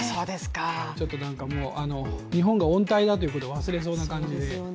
ちょっともう日本が温帯だということを忘れそうな感じで。